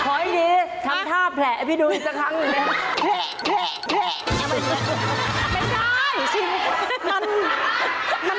ขออีกนิดนึงทำท่าแผลพี่ดูอีกสักครั้งหนึ่งแหละ